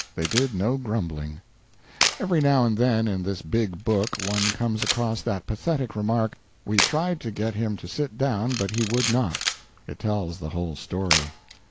They did no grumbling. Every now and then in this big book one comes across that pathetic remark: "we tried to get him to sit down but he would not." It tells the whole story.